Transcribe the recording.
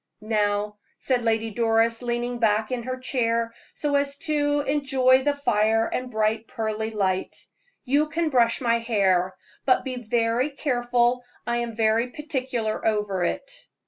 "Now," said Lady Doris, leaning back in her chair so as to enjoy the fire and bright pearly light, "you can brush my hair; but be very careful I am very particular over it."